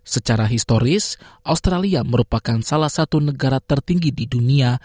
secara historis australia merupakan salah satu negara tertinggi di dunia